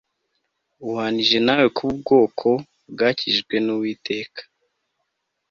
uhwanije nawe kuba ubwoko bwakijijwe n Uwiteka